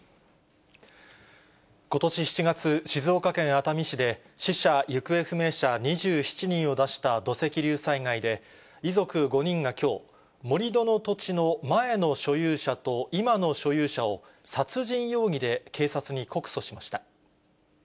ことし７月、静岡県熱海市で、死者・行方不明者２７人を出した土石流災害で、遺族５人がきょう、盛り土の土地の前の所有者と今の所有者を、殺人容疑で警察に告訴しました。